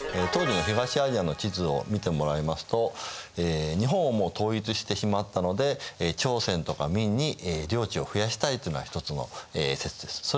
当時の東アジアの地図を見てもらいますと日本はもう統一してしまったので朝鮮とか明に領地を増やしたいというのが一つの説です。